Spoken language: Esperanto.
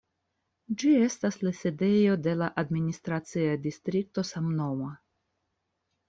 Ĝi estas la sidejo de la administracia distrikto samnoma.